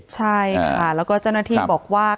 ใช่ค่ะแล้วก็เจ้าหน้าที่บอกว่า